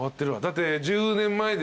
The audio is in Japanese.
だって１０年前でしょ？